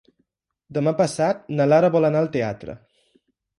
Demà passat na Lara vol anar al teatre.